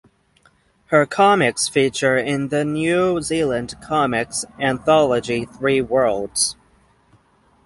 Her comics feature in the New Zealand comics Anthology "Three Words".